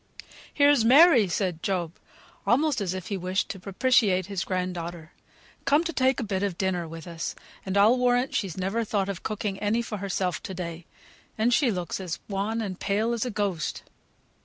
"Here's Mary," said Job, almost as if he wished to propitiate his grand daughter, "come to take a bit of dinner with us, for I'll warrant she's never thought of cooking any for herself to day; and she looks as wan and pale as a ghost."